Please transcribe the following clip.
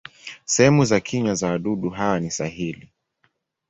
Sehemu za kinywa za wadudu hawa ni sahili.